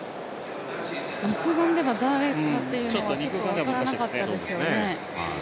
肉眼では誰かっていうのがちょっと分からなかったですよね。